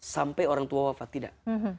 sampai orang tua wafat tidak